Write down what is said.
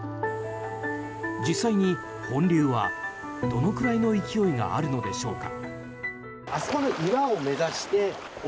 実際に、本流はどのくらいの勢いがあるのでしょうか。